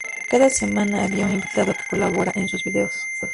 Cada semana había un invitado que colabora en sus vídeos.